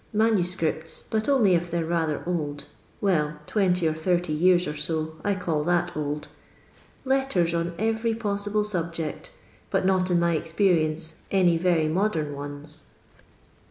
Manuscripts, but only if they 're rather old ; well, '20 or 30 years or so : I call that old. Letters on every possible subject, hut not, in my experience, any very modern ones.